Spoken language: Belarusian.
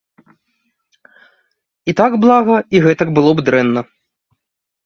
І так блага, і гэтак было б дрэнна.